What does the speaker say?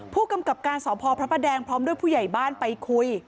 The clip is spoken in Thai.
ผู้กำกับการสพพระประแดงพร้อมด้วยผู้ใหญ่บ้านไปคุย